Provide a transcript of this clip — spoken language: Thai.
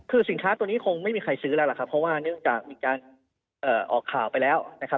คือสินค้าตัวนี้คงไม่มีใครซื้อแล้วล่ะครับเพราะว่าเนื่องจากมีการออกข่าวไปแล้วนะครับ